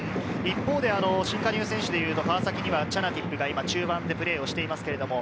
一方で新加入選手でいうと、川崎にはチャナティップが今、中盤でプレーをしています。